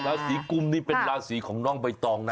ราศีกุมนี่เป็นราศีของน้องใบตองนะ